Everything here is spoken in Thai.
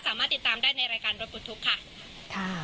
สามารถติดตามได้ในรายการรถปลดทุกข์ค่ะ